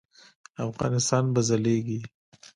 افغانستان به ځلیږي؟